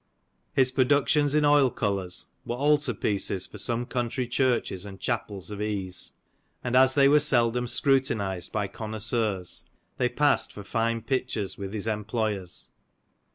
His productions in oil colours were altar pieces for some country churches and chapels of ease ; and as they were seldom scrutinized by connoisseurs, they passed for fine pictures with his employers.